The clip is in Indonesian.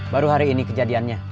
baru hari ini kejadiannya